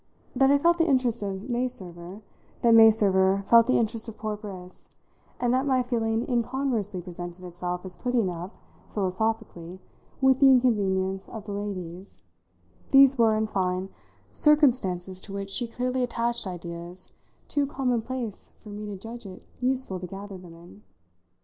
That I felt the interest of May Server, that May Server felt the interest of poor Briss, and that my feeling incongruously presented itself as putting up, philosophically, with the inconvenience of the lady's these were, in fine, circumstances to which she clearly attached ideas too commonplace for me to judge it useful to gather them in.